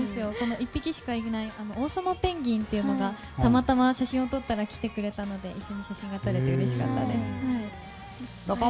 １匹しかいないオウサマペンギンというのがたまたま写真を撮ったら来てくれたので一緒に写真が撮れてうれしかったです。